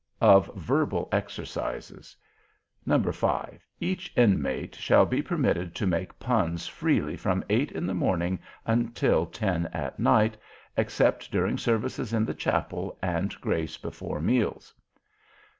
OF VERBAL EXERCISES. 5. Each Inmate shall be permitted to make Puns freely from eight in the morning until ten at night, except during Service in the Chapel and Grace before Meals.